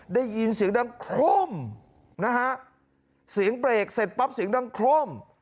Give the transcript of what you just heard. ได้ยินเสียงดังโคร่มนะฮะเสียงเบรกเสร็จปั๊บเสียงดังโคร่ม